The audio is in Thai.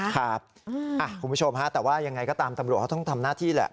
คุณผู้ชมฮะแต่ว่ายังไงก็ตามตำรวจเขาต้องทำหน้าที่แหละ